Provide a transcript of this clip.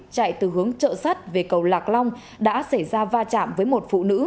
chạy từ hướng chợ sắt về cầu lạc long đã xảy ra va chạm với một phụ nữ